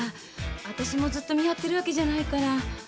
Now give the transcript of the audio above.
私もずっと見張ってるわけじゃないから。